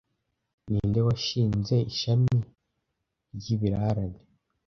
Ninde washinze Ishami ry'ibirarane